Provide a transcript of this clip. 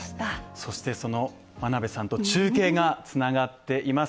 そしてその真鍋さんと中継がつながっています。